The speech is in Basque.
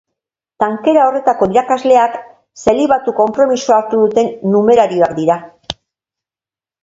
Tankera horretako irakasleak zelibatu konpromisoa hartu duten numerarioak dira.